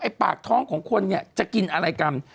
ไอ้ปากท้องของคนจะกินอะไรกัน